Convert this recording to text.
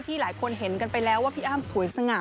หลายคนเห็นกันไปแล้วว่าพี่อ้ำสวยสง่า